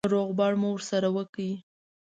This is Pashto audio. روغبړ مو سره وکړ.